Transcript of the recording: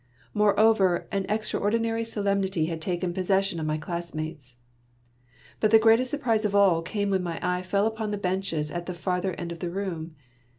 Moreover, an extraordi nary solemnity had taken possession of my class mates. But the greatest surprise of all came when my eye fell upon the benches at the farther end of the room.